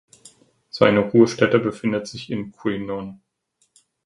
Seine Ruhestätte befindet sich in Quy Nhơn.